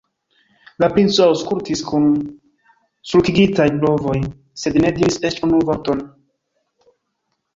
La princo aŭskultis kun sulkigitaj brovoj, sed ne diris eĉ unu vorton.